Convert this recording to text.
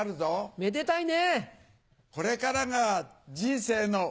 めでたいね。